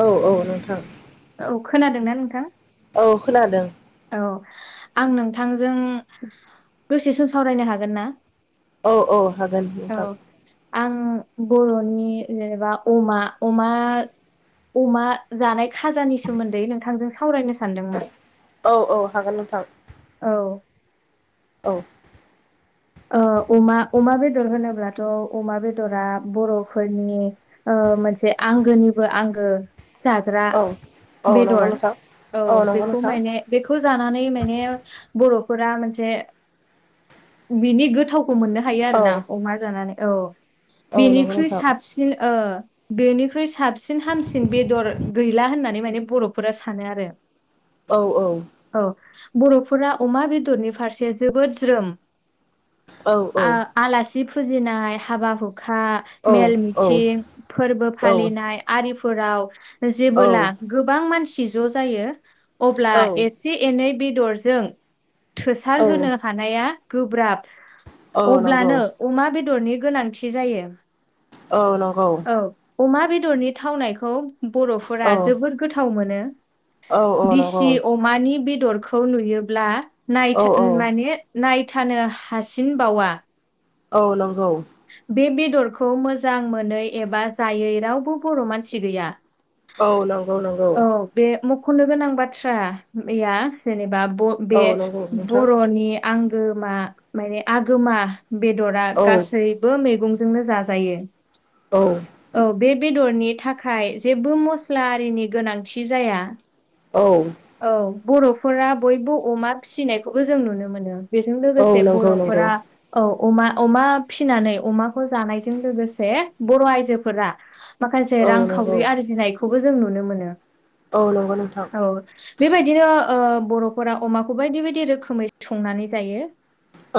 औ-औ नोंथां औ खोनादोंना नोंथां औ खोनादों औ आं नोंथांजों दोसे सम सावरायनो हागोन ना औ-औ हागोन औ नोंथां आं बर'नि जेनेबा अमा-अमा अमा जानाय खाजानि सोमोन्दै नोंथांजों सावरायनो सानदोंमोन औ औ हागोन नोंथां औ औ ओ अमा-अमा बेदर होनोब्लाथ' अमा बेदरा बर'फोरनि ओ ओ मोनसे आंगोनिबो आंगो जाग्रा औ औ नंगौ बेदर नोंथां औ नंगौ बेखौ नोंथां माने बेखौ जानानै माने बर'फोरा मोनसे बिनि गोथावखौ मोननो हायो औ आरो ना अमा जानानै औ औ नंगौ बेनिख्रुइ नोंथां साबसिन ओ बेनिख्रुइ साबसिन हामसिन बेदर गैला होननानै माने बर'फोरा सानो आरो औ औ औ बर'फोरा अमा बेदरनि फारसे जोबोद ज्रोम औ औ आ-आलासि फुजिनाय हाबा-हु हा औ मेल-मिथिं फोरबो औ फालिनाय आरिफोराव जेबोला गोबां मानसि ज' जायो अब्ला औ एसे-एनै बे दरजों थोसार औ होनो हानाया गोब्राब औ नंगौ अब्लानो अमा बेदरनि गोनांथि जायो औ नंगौ औ अमा बेदरनि थावनायखौ औ बर'फोरा जोबोद गोथाव मोनो औ औ नंगौ दिसि अमानि बिद दरखौ नुयोब्ला औ नायथा औ माने नायथानो हासिनबावा औ नंगौ दरखौ मोजां मोनै एबा जायै रावबो बर' मानसि गैया औ नंगौ-नंगौ औ बे मख'नो गोनां बाथ्रा बेैया जेनेबा ब औ बे नंगौ नोंथां बर'नि आं गोमा माने आगोमा बेदरा औ गासैबो मैगं नो जाजायो औ औ बेद बेदरनि थाखाय जेबो मस्ला आरिनि गोनांथि जाया औ औ बर'फोरा बयबो अमा फिसिनायखौबो जों नुनो मोनो बेजों औ लोगोसे नंगौ नंगौ बर'फोरा औ अमा अमा फिनानै अमाखौ जानायजों लोगोसे बर' आयजोफोरा माखासे औ नंगौ रांखावरि आरजिनायखौबो जों नुनो मोनो औ नंगौ नोंथां औ बेबायदिनो ओ बर'फोरा अमाखौ बायदि बायदि रोखोमै थंनानै जायो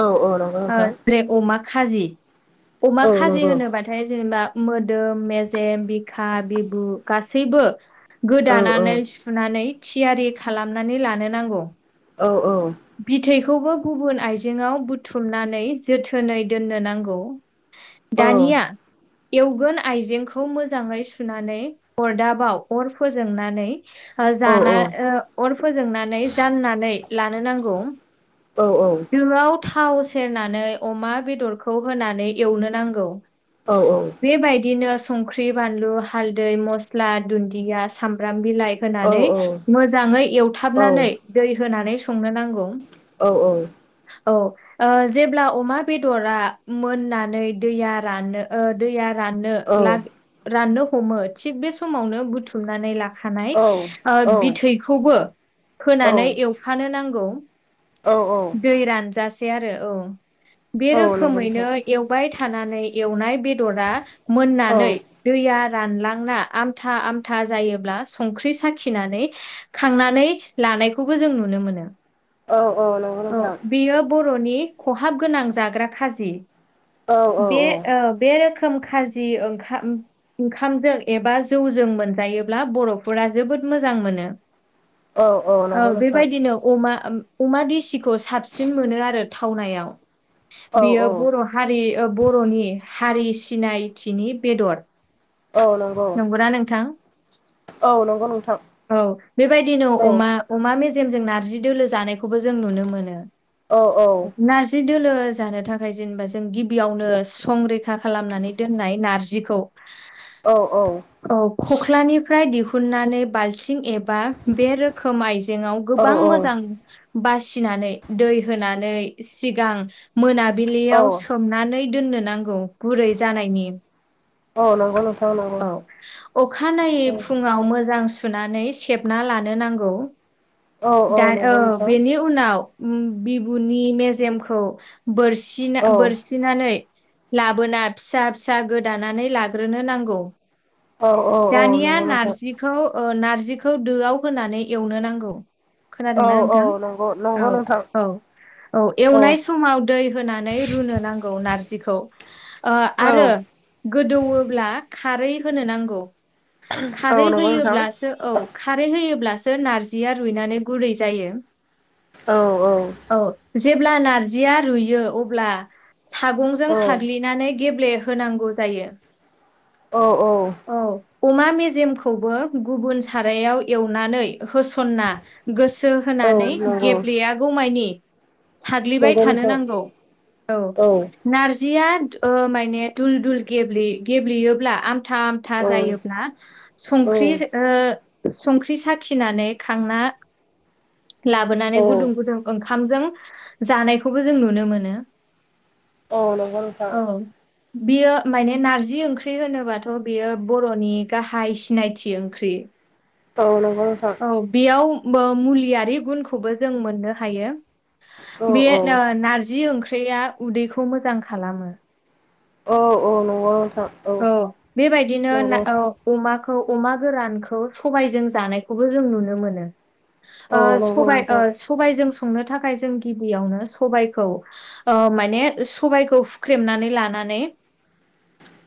औ औ नंगौ ओ नोंथां जेरै अमा खाजि अमा औ खाजि नंगौ होनोबाथाय जेनेबा मोदोम मेजेम बिखा बिबु गासैबो औ औ गोदानानै सुनानै थियारि खालामनानै लानो नांगौ औ औ बेखौबो गुबुन आइजेंआव बुथुमनानै जोथोनै दोननो नांगौ दानिया एवगोन आइजेंखौ मोजांङै सुनानै अरदाबाव अर फोजोंनानै औ जाना ओ अर फोजोंनानै जाननानै लानो नांगौ औ औ दोआव थाव सेरनानै अमा बेदरखौ होनानै एवनो नांगौ औ बेबायदिनो संख्रि बानलु हालदै मस्ला दुन्दिया सामब्राम बिलाइ होनानै मोजांङै एवथाबनानै दै होनानै संनो नांगौ औ औ औ ओ जेब्ला अमा बेदरा मोननानै दैया राननो ओ दैया राननो ला राननो हमो थिग बे समावनो बुथुमनानै ला खानाय ओ बिथैखौबो फोनानै एवफानो नांगौ औ औ जासे आरो औ बे औ नंगौ रोखोमैनो नोंथां एवबाय था थानानै एवनाय बेदरा औ मोननानै दैया रानलांना आमथा आमथा जायोब्ला संख्रि साखिनानै खांनानै लानायखौबो जों नुनो मोनो औ औ नंगौ नोंथां खरनि खहाब गोनां जाग्रा खाजि औ औ बे ओ बे रोखोम [unintelligible] खोम खाजि ओंखाम ओंखामजों एबा जौजों मोनजायोब्ला बर'फोरा जोबोद मोजां मोनो औ नंगौ ओ नोंथां बेबायदिनो अमा अमा देसिखौ साबसिन मोनो आरो थावनायाव औ बियो औ बर' हारि ओ बर'नि हारि सिनायथिनि बेदर औ नंगौ नंगौना नोंथां औ नंगौ नोंथां औ बेबादिनो औ अमा अमा मेज जेम जों नारजि दोलो जानायखौबो जों नुनो मोनो औ नारजि दोलो जानो थाखाय जेनेबा जों गिबियावनो संरैखा खालामनानै दोननाय नारजिखौ औ [inaudible] औ खख्लानिफ्राय दिहुननानै बाल्थिं एब बा बे रोखोम आइजेंआव औ गोबां मोजां बासिनानै दै होनानै सिगां मोनाबिलियाव सोमनानै दोननो नांगौ गुरै जानायनि। औ नंगौ। नोंथां नंगौ औ अखानायै फुंङाव मोजा सुनानै सेबना लानो नांगौ। औ दा नंगौ औ नोंथां बेनि उनाव उम बिबुनि मेजेमखौ औ बोरसिना-बोरसिनानै लाबोना फिसा फिसा गोदानानै लाग्रोनो नांगौ। औ औ दानिया नंगौ नोंथां नारजिखौ ओ नारजि जिखौ दोआव होनानै एवनो नांगौ। औ खोनादोंना औ नोंथां? नंगौ। औ नंगौ नोंथां औ औ एवनाय समाव दै होनानै रुनो नांगौ नारजि खौ ओ औ आरो गोदौओब्ला खारै होनो नांगौ। औ खारै नंगौ नोंथां होयोब्लासो औ खारै होयोब्लासो नारजिया रुइनानै गुरै जायो। औ औ। जेब्ला नारजिया रुयो अब्ला औ सागंजों साग्लिनानै गेब्ले होनांगौ जायो। औ औ। अमा मेजेमखौबो गुबुन सारायाव एवनानै होसनना गोसो सो औ होनानै नंगौ गेब्लेयागौ मानि साग्लिबाय नंगौ थानो नोंथां नांगौ औ नारजिया ओ माने दुल दुल गेब्ले-गेब्लेयोब्ला आमथा आमथा जायोब्ला संख्रि ओ संख्रि साखिनानै खांना लाबोनानै गुदुं गुदुं ओंखामजों जानायखौबो जों नुनो मोनो। औ नंगौ नोंथां। औ बियो माने नारजि ओंख्रि होनोबाथ' बियो बर'नि गाहाय सिनायथि ओंख्रि। [inaudible] औ औ। औ बेयाव बो-मुलियारि गुनखौबो जों मोननो हायो। औ बे औ नारजि ओंख्रिया उदैखौ मोजां खालामो। औ औ नंगौ। औ बेबायदिनो ना औ अमा अमा गोरानखौ सबायजों जानायखौबो जों नुनो मोनो। औ ओ नंगौ नोंथां सबाय-सबायजों संनो थाखाय जों गिबियावनो सबाइखौ ओ माने सबाइखौ हुख्रेमनानै लानानै नानै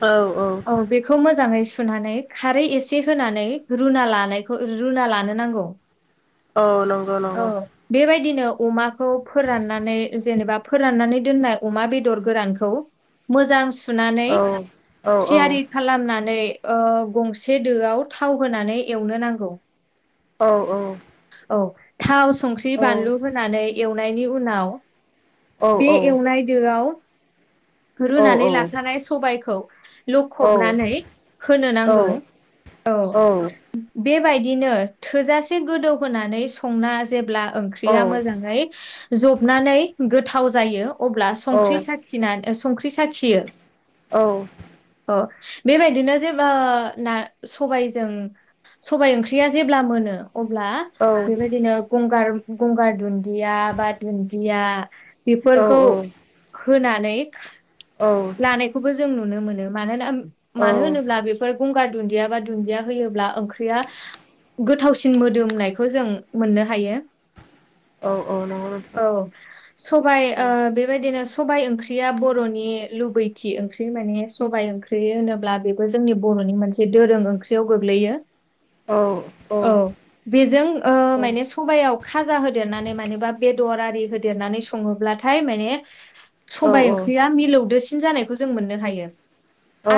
औ औ बेखौ मोजाङै सुनानै खारै एसे होनानै रुना लानायखौ रुना लानो नांगौ। औ नंगौ नंगौ। दिनो अमाखौ फोराननानै जेनेबा फोराननानै दोननाय अमा बेदर गोरानखौ मोजां सुनानै औ औ थियारि खालामनानै नै ओ गंसे दोआव थाव होनानै एवनो नांगौ। औ औ। औ थाव संख्रि बानलु होनानै एवनायनि उनाव औ बे एवनाय दोआव रुनानै लाखानाय सबाइखौ लखबनानै होनो नांगौ। औ। बेबायदिनो थोजासे गोदौ होनानै संना जेब्ला औ ओंख्रिया मोजाङै जबनानै गोथाव जायो। अब्ला औ संख्रि साखिनानै संख्रि साखियो। औ। ओ बेबायदिनो जेबा ना सबायजों सबाय ओंख्रिया जेब्ला मोनो। अब्ला बेबायदिनो गंगार गंगार दुन्दिया बा दुन्दिया बेफोरखौ होनानै खा औ लानायखौबो जों नुनो मोनो। मोनोना औ मानो होनोब्ला बेफोर गंगार दुन्दिया बा दुन्दिया होयोब्ला ओंख्रिया गोथावसिन मोदोमनायखौ जों मोननो हायो। औ नंगौ नोंथां औ सबाइ ओ बेबायदिनो स सबाइ ओंख्रिया बर'नि लुबैथि ओंख्रि माने सबाय ओंख्रि होनोब्ला बेबो जोंनि बर'नि मोनसे दोरों ओंख्रियाव गोग्लैयो। औ। औ बेजों ओ औ माने सबायाव खाजा होदेरनानै मानेबा बेदर आ रि होदेरनानै सङोब्लाथाय माने औ सबाइ ओंख्रिया मिलौदोसि सिन जानायखौ जों मोननो हायो,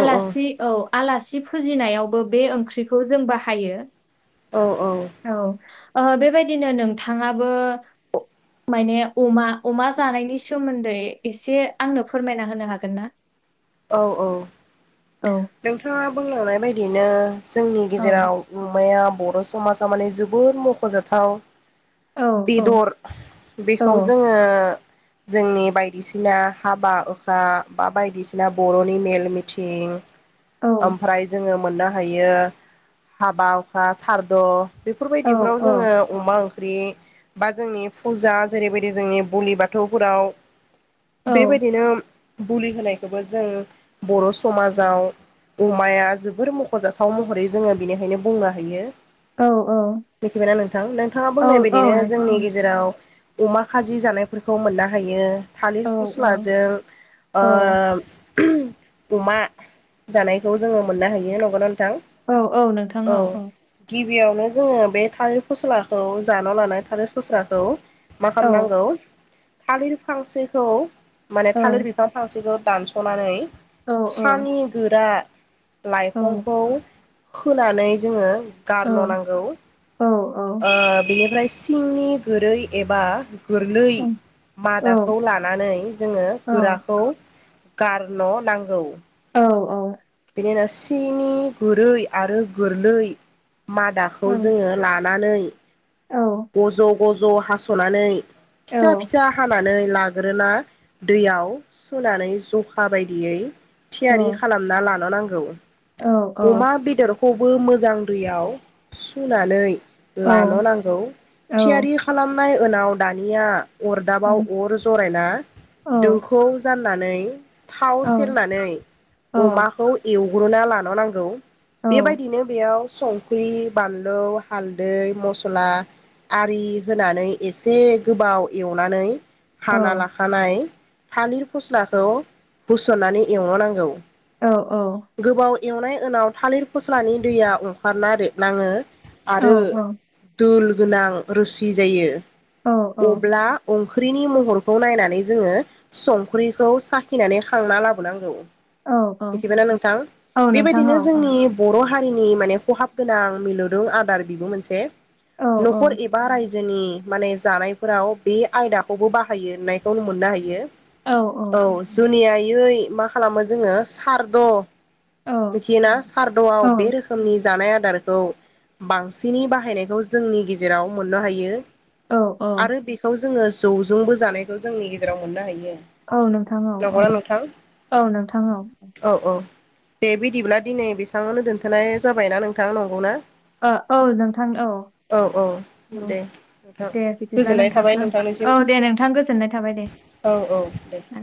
आलासि औ। आलासि फुजिनायावबो बे ओंख्रिखौ जों बाहायो। औ औ। ओ बेबायदिनो नोंथाङाबो माने अमा अमा जानायनि सोमोन्दै एसे आंनो फोरमायना होनो हागोन ना? औ औ औ नोंथाङा बुंलांनाय बायदिनो जोंनि औ गेजेराव अमाया बर' समाजाव माने जोबोद मख'जाथाव। औ औ बेदर औ बेखौ जोङो जोंनि बायदिसिना हाबा हुखा बा बायदि सिना बर'नि मेल मिथिं औ ओमफ्राय जोङो मोननो हायो हाबा हुखा सारद' औ बेफोरबायदिफ्राव जोङो अमा ओं ख्रि बा जोंनि फुजा जेरैबायदि जोंनि बोलि बाथौफोराव बेबायदिनो बुलि होनायखौबो जों बर' समाजाव अमाया जोबोर मख'जाथाव महरै जोङो बेनिखायनो बुंनो हायो। औ मिथिबायना नोंथां, नोंथाङा औ बुंनाय औ बायदिनो नोंथां जोंनि गेजेराव अमा खाजि जानायफोरखौ मोननो हायो, थालिर औ फस्लाजों ओ औ [unintelligible] अमा जानायखौ जोङो मोननो हायो नंगौना नों औ औ नोंथां औ औ। बेयावनो जोङो बे थालिर फस्लाखौ जानो लानाय थालिर फस्लाखौ मा औ खालामनांगौ, थालिर फांसेखौ माने थालिर बिफां फांसेखौ दानस' नानै औ सानि गोरा औ लाइफंखौ खोनानै जोङो गारन' नांगौ। ओ बिनिफ्राय सिंनि गोरै एबा गोरलै मादाखौ लानानै जोङो गोराखौ गारन' नांगौ। औ औ। जेन' सिंनि गुरै आरो गोरलै मादाखौ जोङो ला नानै गज' गज' हास'नानै फिसा फिसा हाना नै लाग्रोना दैआव सुनानै जखा बायदियै थियारि खालामना लानो नांगौ, अमा बेदर खौबो मोजां दैयाव सुनानै लान' नांगौ, थियारि खालामनाय ओनाव दानिया अरदाबाव अर जरायना दोखौ जाननानै थाव सेरनानै अमाखौ एवग्रोना लान' नांगौ। बेबायदिनो बेयाव संख्रि, बानलु, हालदै, मस्ला आरि होनानै एसे गोबाव एवनानै औ हाना औ लाखानाय थालिर फस्लाखौ होस'ननानै एवनो नांगौ औ औ गोबाव एवनाय उनाव थालिर फस्लानि दैया ओंखारना रेबलाङो औ आरो औ दोल गोनां रोसि जायो, औ अब्ला ओं ख्रिनि महरखौ नायनानै जोङो संख्रिखौ साखिनानै खांना लाबोनांगौ। औ औ मिथिबायना नोंथां? औ नोंथां बेबायदिनो औ औ जोंनि बर' हारिनि माने खहाब गोनां मिलौदु आदार बेबो मोनसे औ न'खर एबा रायजोनि माने जानायफोराव बे आयदाखौबो बाहायोनायखौ मोननो हायो। औ जुनियायै मा खालामो जोङो सारद' औ मिथियोना सारद'आव बे रोखोमनि जानाय आ दारखौ बांसिनै बाहायनायखौ जोंनि गेजेराव मोननो हायो। औ ओ आरो बेखौ जोङो जौजोंबो जानायखौ जोंनि गेजेराव मोननो हायो। औ नोंथां औ ओ नंगौना नोंथां औ नोंथां औ उम औ दे बिदिब्ला दिनै बेसाङावनो दोनथ'नाय जाबायना नोंथां, नंगौना? ओ औ नोंथां औ औ औ दे नोंथां दे बिदिब्ला गोजोननाय नोंथां थाबाय ओ नोंथांनिसिम औ दे नोंथां गोजोननाय थाबाय दे औ औ दे ओं